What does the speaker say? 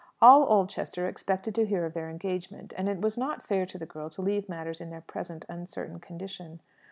All Oldchester expected to hear of their engagement, and it was not fair to the girl to leave matters in their present uncertain condition.